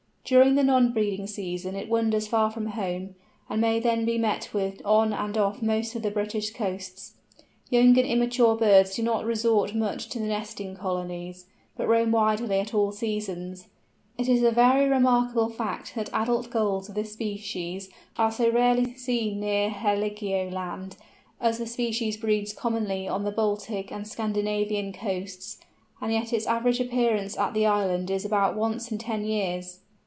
During the non breeding season it wanders far from home, and may then be met with on and off most of the British coasts: young and immature birds do not resort much to the nesting colonies, but roam widely at all seasons. It is a very remarkable fact that adult Gulls of this species are so rarely seen near Heligoland, as the species breeds commonly on the Baltic and Scandinavian coasts, and yet its average appearance at the island is about once in ten years!